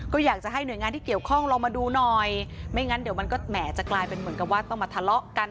ก็อยากจะให้หน่วยงานที่เกี่ยวข้องเรามาดูหน่อยไม่งั้นเดี๋ยวมันก็แหมจะกลายเป็นเหมือนกับว่าต้องมาทะเลาะกัน